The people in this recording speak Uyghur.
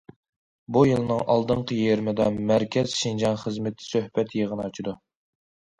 بۇ يىلنىڭ ئالدىنقى يېرىمىدا، مەركەز شىنجاڭ خىزمىتى سۆھبەت يىغىنى ئاچىدۇ.